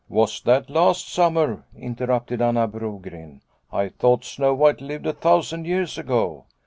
' Was that last summer ?" interrupted Anna Brogren. " I thought Snow White lived a thousand years ago."